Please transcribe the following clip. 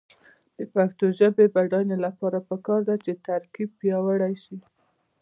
د پښتو ژبې د بډاینې لپاره پکار ده چې ترکیب پیاوړی شي.